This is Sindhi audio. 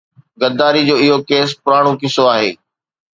غداري جو اهو ڪيس پراڻو قصو آهي.